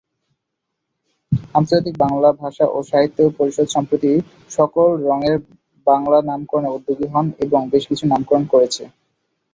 আন্তর্জাতিক বাংলা ভাষা ও সাহিত্য পরিষদ সম্প্রতি সকল রংয়ের বাংলা নামকরণে উদ্যোগী হয়েছে এবং বেশকিছু নামকরণ করেছে।